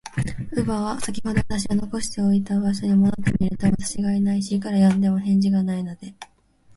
乳母は、さきほど私を残しておいた場所に戻ってみると、私がいないし、いくら呼んでみても、返事がないので、